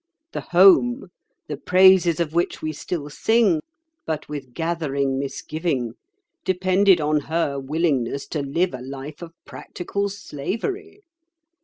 The 'home'—the praises of which we still sing, but with gathering misgiving—depended on her willingness to live a life of practical slavery.